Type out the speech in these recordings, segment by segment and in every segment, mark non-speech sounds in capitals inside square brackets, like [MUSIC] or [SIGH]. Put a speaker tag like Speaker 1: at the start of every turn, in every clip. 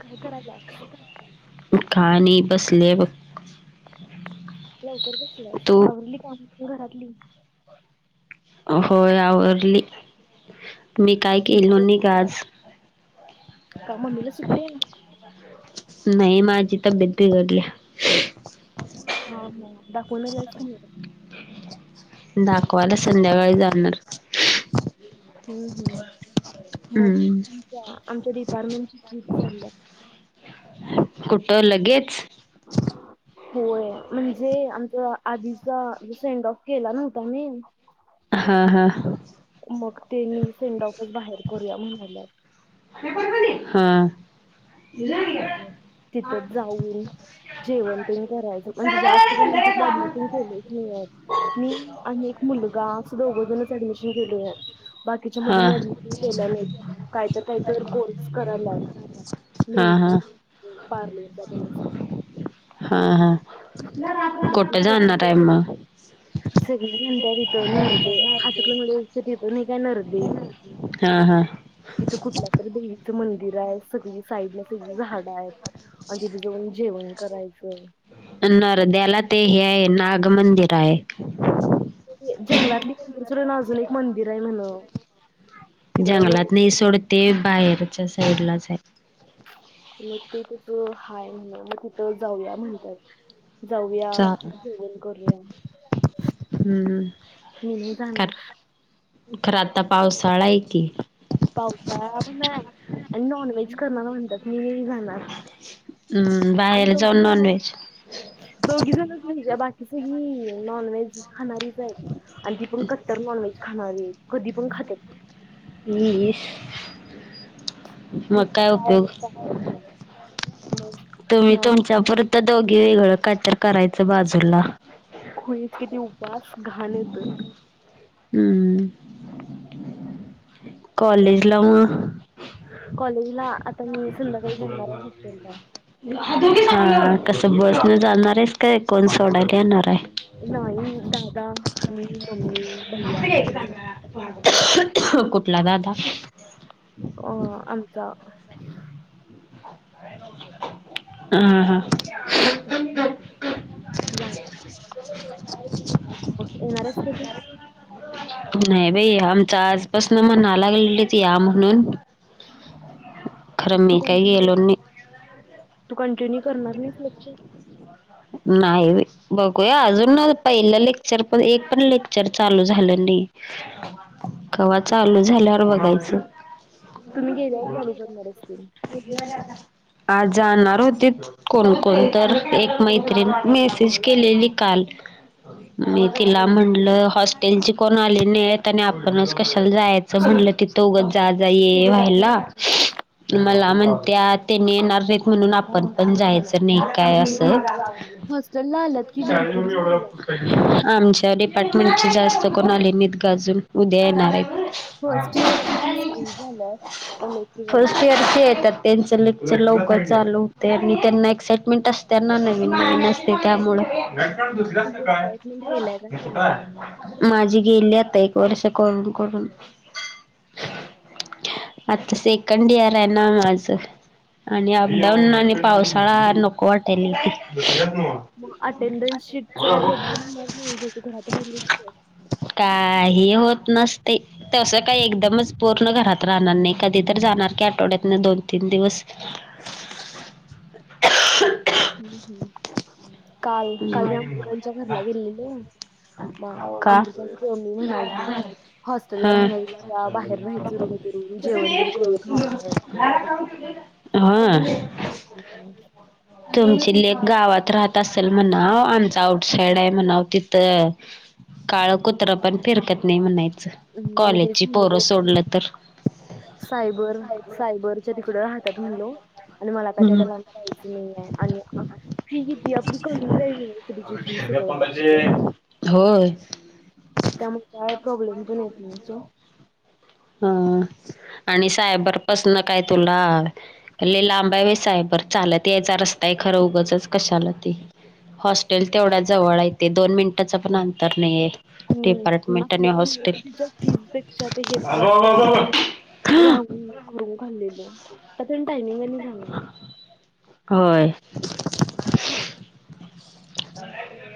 Speaker 1: काय कराल्यास
Speaker 2: काय नाही बसले बघ
Speaker 1: लवकर बसल्यास
Speaker 2: तू
Speaker 1: आवरली काम घरातली
Speaker 2: होय आवररली मी काय केलो नाइ ग आज
Speaker 1: का मम्मीला सुट्टी आहे
Speaker 2: नाही माझी तब्येत बिघडल्या
Speaker 1: हा हा दाखवून आलास का नाय
Speaker 2: दाखवाला संध्याकाळी जाणार
Speaker 1: हम्म हम्म
Speaker 2: हम्म
Speaker 1: मग आ आमच्या डिपार्टमेंट चालं
Speaker 2: कुठं लगेच
Speaker 1: होय म्हणजे आमच आधीच जस एंड ऑफ केला नव्हता ने
Speaker 2: हा हा
Speaker 1: मग तेन्ही सेंडऑफच बाहेर करूया म्हणाल्यात
Speaker 2: हा
Speaker 1: तिथंच जाऊन जेवंन तेन करायचं म्हणजे जास्त पण आमच्या इथली ऍडमिशन केलेच नाहीत मी आणि मुलगा सुद्धा उघजूनच ऍडमिशन केले आहे बाकीच्या मुलींनी ऍडमिशन केलं नाही काय तर काहीत कोर्स कराल्यात
Speaker 2: हा हा
Speaker 1: पारलरचा पण आसेल
Speaker 2: हा हा
Speaker 1: मग
Speaker 2: कुठं जाणार आहे
Speaker 1: सगळीजन
Speaker 2: मग
Speaker 1: स म्हणत्या हित नरदे हातकणंगलेच्या तिथे नाही काय नरदे
Speaker 2: हा हा
Speaker 1: तिथं कुठल्या तर देवीचं मंदिर आहेत सगळी साईड न सगळी झाडं आहेत. आणि तिथ जाऊन जेवण करायचं
Speaker 2: नरद्याला ते हे आहे नाग मंदिर आहे
Speaker 1: जंगलातली मंदिर सोडून अजून एक मंदिर आहे म्हण तिकडं
Speaker 2: जंगलात नाही
Speaker 1: नरकाचं,
Speaker 2: सोडते बाहेरच्या साईड ला जाय
Speaker 1: मग ते तिथं हाय म्हण मग तिथं जाऊया म्हणतात जाऊया
Speaker 2: चा
Speaker 1: जेवन करूया
Speaker 2: हम्म
Speaker 1: मी नाही
Speaker 2: कार
Speaker 1: जाणार
Speaker 2: खरं आता पावसाळा आहे कि
Speaker 1: पावसाळा पण आणि नॉन व्हेज करणार म्हणतात मी वज जाणार
Speaker 2: हम्म
Speaker 1: आम्ही
Speaker 2: बाहेर जाऊन
Speaker 1: दोघी
Speaker 2: नॉन
Speaker 1: जणच
Speaker 2: वहेज
Speaker 1: दोघी जणच म्हणजे बाकी सगळी नॉनव्हेज खाणारीच आहेत आणि ती पण कट्टर नॉनव्हेज खा णारी आहेत, कधी पण खात्यात.
Speaker 2: वीस
Speaker 1: त काय विचारायचं नाही.
Speaker 2: तुम्ही तुमच्या पुरतं दोघी वेगळं कायतर करायचं बाजूला.
Speaker 1: खुळीच किती उ वास घाण येतोय.
Speaker 2: हम्म
Speaker 1: त्यामुळे
Speaker 2: कॉलेजला म
Speaker 1: कॉलेजला
Speaker 2: [UNINTELLIGIBLE]
Speaker 1: आता मी संध्याकाळी जाणार आहे हॉस्टेलला.
Speaker 2: बस न जाणार आहेस का, कोण सोडायला येणार आहे?
Speaker 1: नाही दादा, मी, मम्मी, भैया जाणार
Speaker 2: कुठं?
Speaker 1: ह आमचा
Speaker 2: हा हा
Speaker 1: [UNINTELLIGIBLE] येणार आहेस काय तु?
Speaker 2: नाही बाई, आमच आजपासनं म्हणा लागलेलीत या म्हणून
Speaker 1: तू
Speaker 2: खरं
Speaker 1: तू
Speaker 2: मी काय
Speaker 1: कंटिन्यू
Speaker 2: गेलो नाही.
Speaker 1: तू कंटिन्यू करणार नाहीस लेक्चर?
Speaker 2: नाही बाई, बघूया अजून पहिलं लेक्चर पण एक पण लेक्चर चालू झालं नाही. कवा चालू झाल्यावर बघायचं.
Speaker 1: तुम्ही गेल्यावर चालू करणार असतील.
Speaker 2: [UNINTELLIGIBLE] आज जाणार होती कोणकोण तर एक मैत्रिण मेसेज केलेली काल, मी तिला म्हटलं हॉस्टेलची कोण आले नाही आणि आपणच कशा ला जायचं म्हटलं तिथं जा जा ये व्हायला. मला म्हणत्या त्यांनी येणार नाहीत म्हणून आपण पण जायचं नाही काय असं,
Speaker 1: हॉस्टेलला आल्यात की भरपूर जण आल्यात.
Speaker 2: आमच्या डिपार्टमेंटची जास्त कोण आली नाहीत गं अजून, उद्या येणार आहेत.
Speaker 1: फर्स्ट इयरची तर सगळीच आल्यात एम एस सी वाली.
Speaker 2: फर्स्ट इअरची येत्यात. त्यांचं लेक्चर लवकर चालू होतंय आणि त्यांना एक्साइटमेंट अस त्या ना नवीन नवीन असते त्यामुळं.
Speaker 1: तुझी एक्साइटमेंट गेलाय काय?
Speaker 2: माझी गेली आता एक वर्ष करून करून आता सेकंड इयर आहे ना माझं, आणि अपडाऊन आणि पावसाळा नको वाटालय.
Speaker 1: मग अटेंडन्स शीटच काही प्रॉब्लेम होणार नाही जर तु घरात राहिलीस तर.
Speaker 2: काही होत नसतयं तसं काही एकदमच पूर्ण घरात राहणार नाही कधी तर जाणार की आठव ड्यातनं दोन तीन दिवस.
Speaker 1: हम् हम् काल काल मी अमृतांच्या घरला गेलेलो म
Speaker 2: का
Speaker 1: अमृतांची मम्मी म्हणालती, हॉस्टेलला
Speaker 2: हा
Speaker 1: राहण्यापेक्षा बाहेर राहायचं रुम करून, जेवण तेन करून खायला येतंय.
Speaker 2: हा तुमची लेक गावात राहत अस ल म्हणाव आमचं आउटसाइड आहे म्हणाव तिथं. काळं कुत्र पण फिरकत नाही म्हणाय च
Speaker 1: हम्म तेच
Speaker 2: कॉलेजची पोरं
Speaker 1: म्हणलो
Speaker 2: सोडलं तर.
Speaker 1: सायबर सायबरच्या तिकडं राहतात म्हणलो, आणि मला काय
Speaker 2: हम्म
Speaker 1: तेवढ्या लांब जायचं नाहीये, आणि फी किती हाय आपली कमीच आहे युनिव्हर्सिटीची फी सगळ्यात
Speaker 2: होय.
Speaker 1: त्यामुळे काय प्रॉब्लेम पण येत नाही सो
Speaker 2: हा आणि सायबरपसन काय तुला लय लांब आहे होय साय बर, चालत यायचा रस्ता आहे खरं उगचच कशाला ते हॉस्टेल तेवढ्या जवळ आहे ते दोन मिनं त्याच पण अंतर नाही आहे
Speaker 1: आणि
Speaker 2: डीपार्टमेंट आणि
Speaker 1: आपल्या
Speaker 2: हॉस्टेल.
Speaker 1: युनिव्हर्सिटीच्या फीज पेक्षा ते हे
Speaker 2: [UNINTELLIGIBLE]
Speaker 1: राहून करून खाल्लेलं आता त्यांत टायमिंग आणि रहाणार
Speaker 2: होय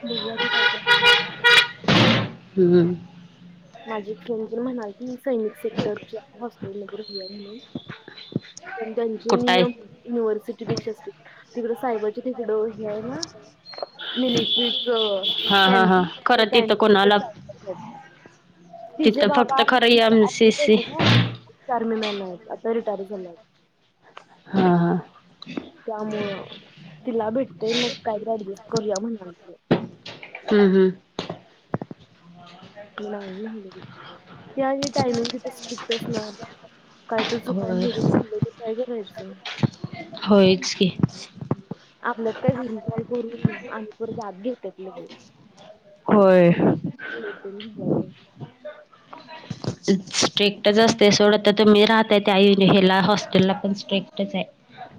Speaker 1: बघू आत्ता काय
Speaker 2: हम्म
Speaker 1: करायचं. माझी फ्रेंड पण म्हणालती सैनिक सेक्टरच्या हॉस्टेलमध्ये राहूया म्हणून. पण त्यांचे
Speaker 2: कुठं आहे
Speaker 1: नियम युनिव्हर्सिटीपेक्षा स्ट्रिक्ट तिकडे साय तिकडं हे आहे ना इलेक्ट्रिक
Speaker 2: हा हा हा
Speaker 1: कॅन्टीन त्या
Speaker 2: खरं तिथं
Speaker 1: कन्टीनच्या
Speaker 2: कोणाला
Speaker 1: साईड तिचे
Speaker 2: तिथं
Speaker 1: बाबा
Speaker 2: फक्त खरं एम सी
Speaker 1: आर्मीत
Speaker 2: सी
Speaker 1: होते ना आर्मी मॅन आता रिटायर झाल्यात
Speaker 2: हा हा
Speaker 1: त्यामुळं तिला भेटते मग काहीतरी ऍडजस्ट करूया म्हणालती
Speaker 2: हम्म हम्म
Speaker 1: मी नाही म्हंटल ते आणि टायमिंग तिथं काय तर चुकून
Speaker 2: होय
Speaker 1: धरून झालं तर काय करायचं?
Speaker 2: होयच की.
Speaker 1: आपल्यात काही घरी काल करून आणि परत आत घेतात लगेच
Speaker 2: होय
Speaker 1: हो
Speaker 2: स्ट्रिक्टच असते सोडं तर तुम्ही राहताय त्या हेला हॉस्टेलला पण स्ट्रिक्टच आहे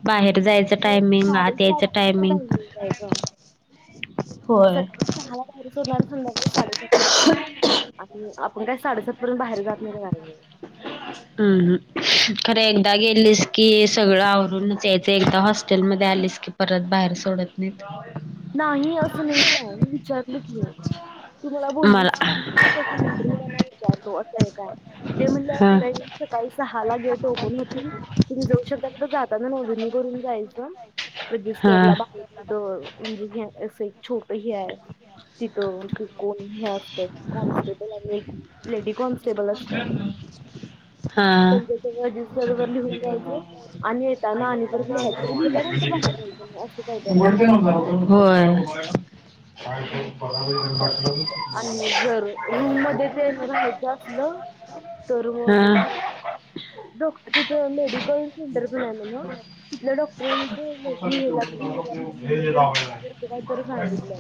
Speaker 2: बाहेर जायचं टायमिंग आत यायच
Speaker 1: साडेसातच
Speaker 2: टायमिंग
Speaker 1: आहे ग.
Speaker 2: होय.
Speaker 1: सकाळी सहाला बाहेर सोडणार संध्याकाळी साडे सात ला आत घेणार आणि आपण काय साडेसात पर्यंत बाहेर जात नाही का नाही
Speaker 2: हम्म खरं एकदा गेलीस की सगळं आवरूनच यायचं एकदा हॉस्टेल मध्ये आलीस की परत बाहेर सोडत नाहीत.
Speaker 1: नाही असं नाही आहे मी विचारलं कि तू मला बोललीस कनी त्याच्यानंतर मी त्यांना विचारलो अस आहे का ते म्हण
Speaker 2: हा
Speaker 1: सकाळी सहाला गेट ओपन होतील तुम्ही जाऊ शकता तर जाताना नोंदणी करून जाय
Speaker 2: हा
Speaker 1: रजिस्टरला म्हणजे अस एक छोट हि हाय तिथं त कोण हे असत कॉन्स्टेबल आणि एक लेडी कॉनस्टेबल
Speaker 2: [UNINTELLIGIBLE] हा
Speaker 1: त्यांच्याजवळ रजिस्टर वर लिहून जायचं. आणि येताना आणि परत लिहायचं ते लिहिल्यानंतर बाहेर जायचं नाही असं काही तर आहे.
Speaker 2: होय [UNINTELLIGIBLE]
Speaker 1: आणि जर रूम मध्ये तेन रहायचं अस ना तर मग
Speaker 2: हा.
Speaker 1: डॉक्टर तिथ लेडी सेंटर मिळालेल तिथल्या डॉक्टर की हे लागणारी रूम मध्ये राहाला असं काहीतरी सांगितलं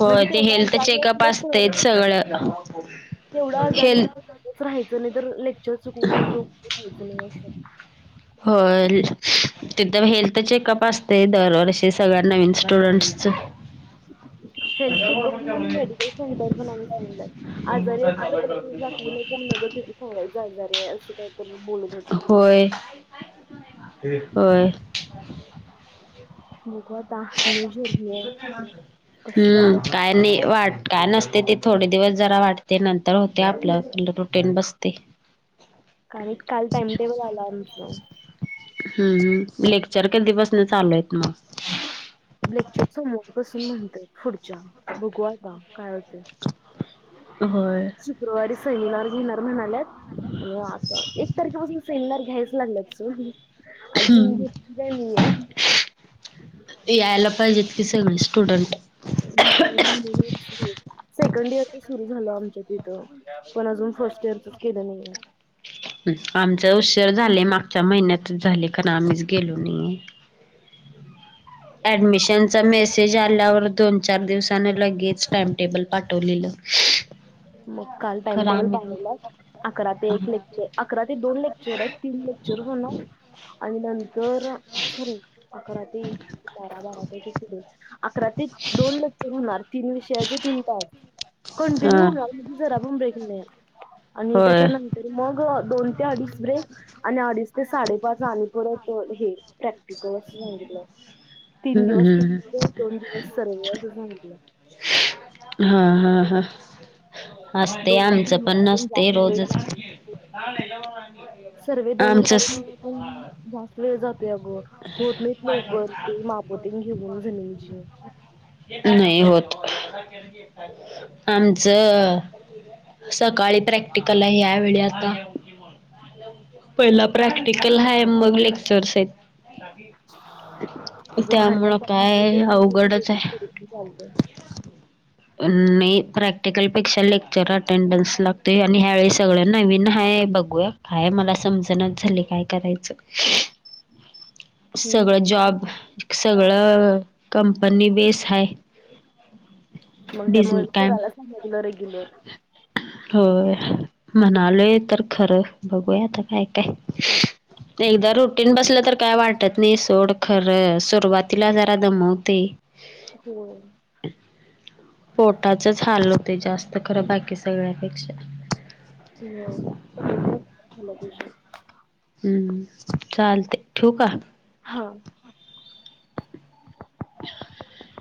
Speaker 2: होय
Speaker 1: म्हणजे
Speaker 2: ते
Speaker 1: तेवढ्या
Speaker 2: हेल्थ
Speaker 1: जा
Speaker 2: चेकअप असतेच सगळं
Speaker 1: तेवढा आजारी
Speaker 2: हेल्थ
Speaker 1: असेल तरच राहायचं नाही तर लेक्चर चुकवून रूम वर रहायचं नाही असं
Speaker 2: हो तिथं हेल्थ चेकअप असते दरवर्षी सगळ्या नवीन स्टुडंट्सच [INAUDIBLE]
Speaker 1: हेल्थ चेकअप पण आणि मेडिकल सेंटर पण सांग आजारी असल तर पहिला ते दाखवून यायचं मगच तिथे सांगायच आजार आहे असं काय तर बोलत होते
Speaker 2: होय होय
Speaker 1: बघू आता न्यू जर्नी आहे कसं
Speaker 2: हम्म
Speaker 1: जातं
Speaker 2: काय नाही वाट काय नसते ते थोडे दिवस जरा वाटते नंतर होते आपलं रुटीन बसतय
Speaker 1: आणि काल टाइमटेबल आला आमच
Speaker 2: हम्म लेक्चर कलीपसून चालूय आहेत मग
Speaker 1: लेक्चर समोर बसून म्हणतय पुढच्या बघूवा का काय होते
Speaker 2: हो
Speaker 1: शुक्रवारी शनिवार घेणार म्हणाल्यात आणि आता एक तारखेपासून सिननर घ्यायच लागला अजून घेत नाहीे
Speaker 2: यायला पाहिजे इतकीि स ना स्टुडंट
Speaker 1: सेकं इयर सुर झा आमच्याथ पण अजून फ तेरचच केलं नाही
Speaker 2: उशर झाले मागच्या महिन्यातच झाले कारण आम्हीच गेलो नाही ऍडमिशनचा मेसेज आल्यावर दोन चार दिवसान लगेच टाइमटेबल पाठवलेलं ह
Speaker 1: मग काल टाइमटेबल पाठवला अकरा ते एक लेक्चर अकरा ते दोन लेक्चर आहेत तीन चरकण अज दरा स अकरा ते बारा बारा पैकी पुढ अकरा ते दोन लक्ष होणार तीन विषयाचे तीन टास कंटिन्यू
Speaker 2: हा
Speaker 1: होणार ब
Speaker 2: होय
Speaker 1: त्याच्यांतर म दोन ते अडीच ब्रेक अडीच ते साडेपाच आले परत हे प्रॅक्टिकल असं सांगितलं तीन दिवस
Speaker 2: हम्म
Speaker 1: दोन दिवस सर्वे असं सांगितलं
Speaker 2: हा हा हा असते
Speaker 1: दोन तास
Speaker 2: आमचं
Speaker 1: म्हणतात
Speaker 2: पण नसते
Speaker 1: जास्त वेळ
Speaker 2: रोजच
Speaker 1: जातो सर्वे दोनो त
Speaker 2: आमचंच
Speaker 1: वेळ जातोय अगं होत नाहीत लवकर ते मापोते घेऊन जमिनीची
Speaker 2: नाही होत आमचं सकाळी प्रॅक्टिकल आहे यावेेळी आता पहिला प्रॅक्टिकल हा मग लेक्चर्स आहेत
Speaker 1: तुझं बाहेरला
Speaker 2: त्यामुळं
Speaker 1: प्रॅक्टिकल
Speaker 2: काय
Speaker 1: करून घरी घे
Speaker 2: अवघडच आहे
Speaker 1: कर चाल
Speaker 2: नाही प्रॅक्टिकल ेक्षा लेक्चर अटेंडन्स लागतोय आणि ह्यावेळी सगळं नवीन हा बघूया काय मला समजणाच झाले काय करायचं
Speaker 1: हम्म
Speaker 2: सगळं
Speaker 1: हम्म
Speaker 2: जॉब सगळं कंपनी बेस ह
Speaker 1: मग त्यामुळे कराला सांगितलं रेग्युलर
Speaker 2: होय म्हणालोय तर खरं बघूयाता काय काय एकदा रुटीन बसलं तर काय वाटत नाही सोड खरं सुरुवातीला जरा दमवते
Speaker 1: हो
Speaker 2: पोटाचच हाल होते जास्त खरं बाकी सगळ्यापेक्षा
Speaker 1: हम् खूप लगे
Speaker 2: हम्म चालते ठू का
Speaker 1: हा
Speaker 2: [INAUDIBLE]